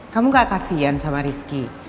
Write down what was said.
kamu gak kasian sama rizky